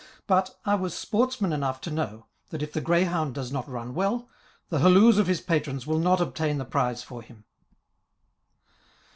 But I was sportsman enough to know, that if the greyhound does not run well, the halloos of his patrons will not obtain the prize for him.